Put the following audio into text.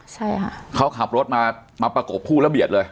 ใช่ค่ะเขาขับรถมามาประกบคู่แล้วเบียดเลย